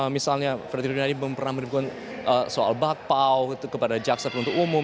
misalnya frederick yunadi pernah menerima soal bakpao kepada jaksa penuntut umum